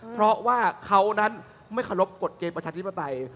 เพราะว่าเขานั้นไม่เคารพกฎเกณฑ์ประชาธิปไตย